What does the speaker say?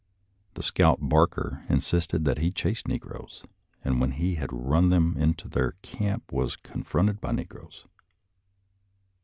The scout Barker insisted that he chased negroes, and when he had run them into their camp was confronted by negroes.